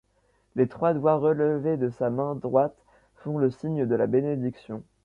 Les trois doigts relevés de sa main droite font le signe de la bénédiction.